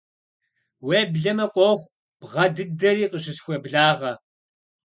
Уеблэмэ, къохъу бгъэ дыдэри къыщысхуеблагъэ.